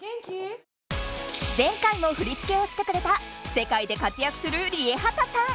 前回も振り付けをしてくれた世界で活やくするＲＩＥＨＡＴＡさん！